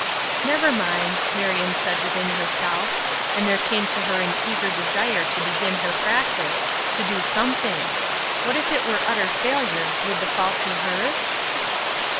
"Never mind!" Marion said within herself, and there came to her an eager desire to begin her practice, to do something; what if it were utter failure, would the fault be hers?